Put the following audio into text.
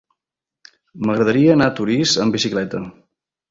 M'agradaria anar a Torís amb bicicleta.